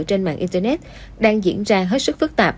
trên mạng internet đang diễn ra hết sức